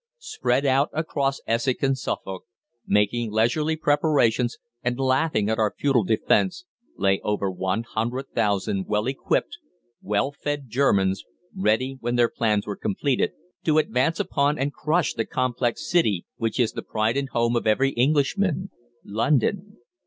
Spread out across Essex and Suffolk, making leisurely preparations and laughing at our futile defence, lay over one hundred thousand well equipped, well fed Germans, ready, when their plans were completed, to advance upon and crush the complex city which is the pride and home of every Englishman London.